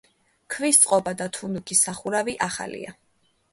ქვის წყობა და თუნუქის სახურავი ახალია.